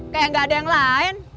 kayak gak ada yang lain